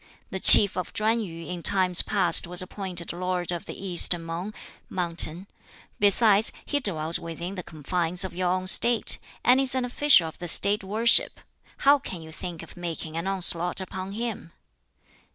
The Chief of Chuen yu in times past was appointed lord of the East Mung (mountain); besides, he dwells within the confines of your own State, and is an official of the State worship; how can you think of making an onslaught upon him?"